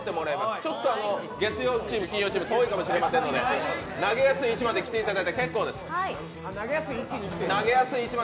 ちょっと月曜チーム、金曜チーム遠いかもしれませんので投げやすい位置まで来ていただいて結構です。